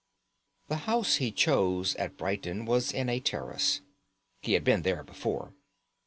The house he chose at Brighton was in a terrace. He had been there before.